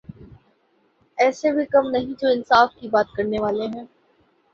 ایسے بھی کم نہیں جو انصاف کی بات کرنے والے ہیں۔